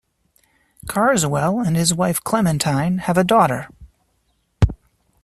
Carswell and his wife Clementine have a daughter.